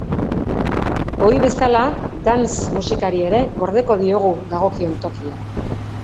Ohi bezala, dance musikari ere gordeko diogu dagokion tokia.